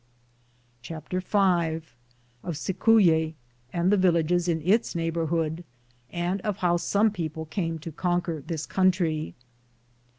1 CHAPTER V Of Cicuye and the Tillages Id Its neighborhood, and of how some people came to conquer this coun try.